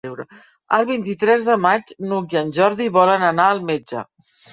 El vint-i-tres de maig n'Hug i en Jordi volen anar al metge.